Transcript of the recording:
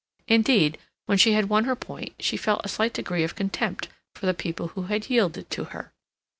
Indeed, when she had won her point she felt a slight degree of contempt for the people who had yielded to her.